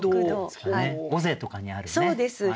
尾瀬とかにあるね。